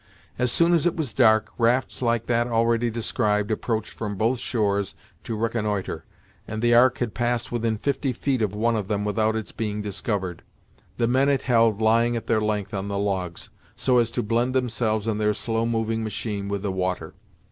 As soon as it was dark, rafts like that already described approached from both shores to reconnoitre, and the Ark had passed within fifty feet of one of them without its being discovered; the men it held lying at their length on the logs, so as to blend themselves and their slow moving machine with the water.